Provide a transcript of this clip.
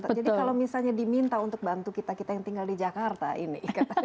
jadi kalau misalnya diminta untuk bantu kita kita yang tinggal di jakarta ini